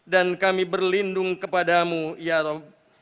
dan kami berlindung kepada mu ya rabb